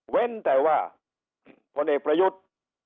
เว้นแต่ว่าคนเอกประยุทธ์